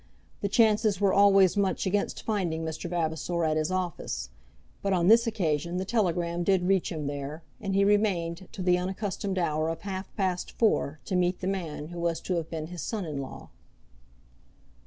The chances were always much against finding Mr. Vavasor at his office; but on this occasion the telegram did reach him there, and he remained till the unaccustomed hour of half past four to meet the man who was to have been his son in law.